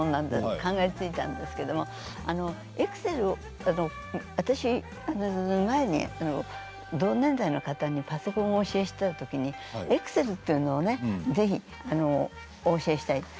考えついたんですけどエクセルを私、前に同年代の方にパソコンをお教えしたときにエクセルというのをぜひお教えしたい。